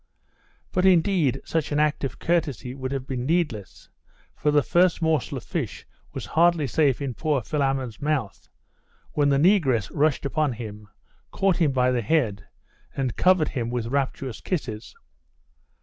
But, indeed, such an act of courtesy would have been needless; for the first morsel of fish was hardly safe in poor Philammon's mouth, when the regress rushed upon him, caught him by the head, and covered him with rapturous kisses.